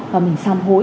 và mình sám hối